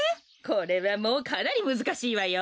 これはもうかなりむずかしいわよ。